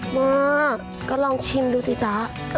หมอก็ลองชิมดูสิค่ะ